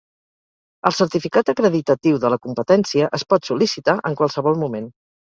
El certificat acreditatiu de la competència es pot sol·licitar en qualsevol moment.